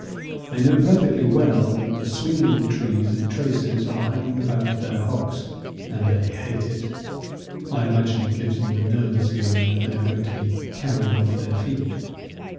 They know perfectly well that the swingle trees and traces are hanging about their hocks and hate it. (I imagine it gives them the nervous feeling that they are going to be carried off their feet.)